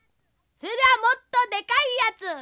それではもっとでかいやつ！